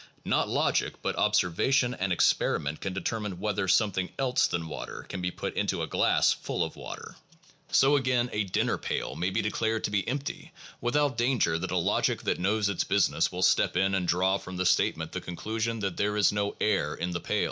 Not logic but observation and experiment can determine whether something else than water can be put into a glass full of water. 162 THE PHILOSOPHICAL REVIEW. fVoL. XXI. So again a 'dinner pail' may be declared to be empty without danger that a logic that knows its business will step in and draw from this statement the conclusion that there is no air in the pail.